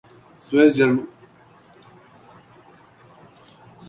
Swiss German